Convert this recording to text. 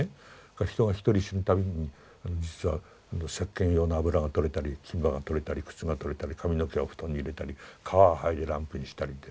人が一人死ぬ度に実はせっけん用の油が取れたり金歯が取れたり靴が取れたり髪の毛は布団に入れたり皮ははいでランプにしたりで。